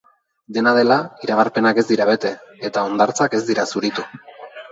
Dena dela, iragarpenak ez dira bete, eta hondartzak ez dira zuritu.